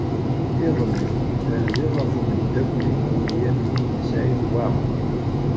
Iḍelli, rziɣ ɣef umeddakel-inu Lyamin n Saɛid Waɛmeṛ.